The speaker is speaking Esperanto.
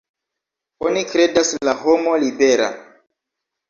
Oni kredas la homo libera.